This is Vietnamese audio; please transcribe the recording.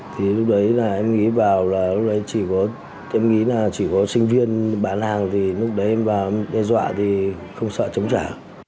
thì lúc đấy em nghĩ vào là lúc đấy chỉ có sinh viên bán hàng thì lúc đấy em vào em đe dọa thì không sợ chống trả